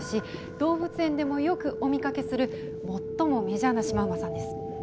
動物園でもよくお見かけする最もメジャーなシマウマさんです。